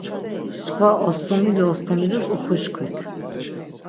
Çkva ostomilu ostomilus uxuşkvit!